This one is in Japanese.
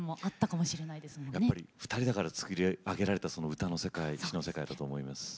２人だから作り上げられたその歌の世界詞の世界だと思います。